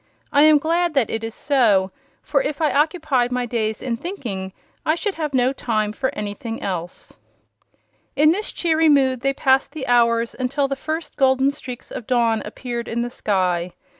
I am glad that it is so, for if I occupied my days in thinking I should have no time for anything else." In this cheery mood they passed the hours until the first golden streaks of dawn appeared in the sky.